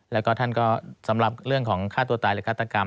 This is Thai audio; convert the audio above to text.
แล้วก็ท่านก็สำหรับเรื่องของฆ่าตัวตายหรือฆาตกรรม